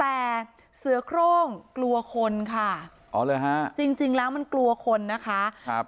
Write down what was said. แต่เสือโครงกลัวคนค่ะอ๋อเลยฮะจริงจริงแล้วมันกลัวคนนะคะครับ